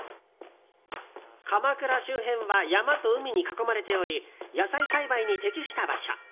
鎌倉周辺は山と海に囲まれており野菜栽培に適した場所。